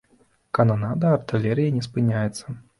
Кананада артылерыі не спыняецца.